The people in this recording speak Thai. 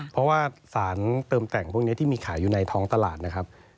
เพราะว่าสารเติมแต่งพวกนี้ที่มีขายอยู่ในท้องตลาดนะครับ